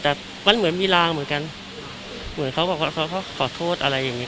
แต่มันเหมือนมีรางเหมือนกันเหมือนเขาบอกว่าเขาก็ขอโทษอะไรอย่างนี้